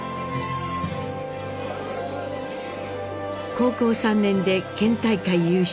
高校３年で県大会優勝。